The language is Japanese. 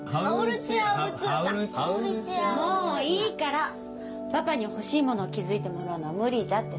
もういいからパパに欲しいものを気付いてもらうのは無